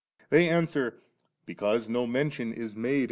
They answer, Because no mention is made in the 7 It.